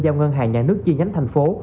giao ngân hàng nhà nước chi nhánh thành phố